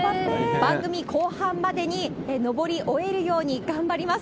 番組後半までに上り終えるように頑張ります。